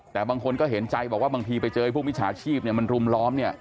แต่บางคนก็เห็นใจบอกว่าบางทีไปเจอพวกมิจฉาชีพเนี่ยมันรุมล้อมเนี่ย